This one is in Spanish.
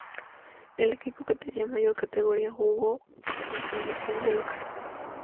El equipo que tenía mayor categoría jugó en condición de local.